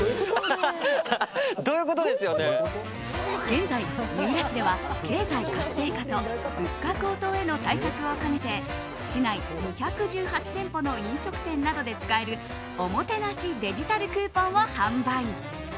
現在、三浦市では経済活性化と物価高騰への対策を兼ねて市内２１８店舗の飲食店などで使えるおもてなしデジタルクーポンを販売。